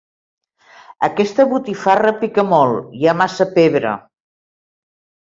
Aquesta botifarra pica molt: hi ha massa pebre.